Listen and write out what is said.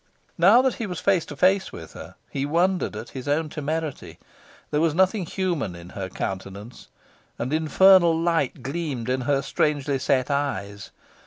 Now that he was face to face with her, he wondered at his own temerity. There was nothing human in her countenance, and infernal light gleamed in her strangely set eyes.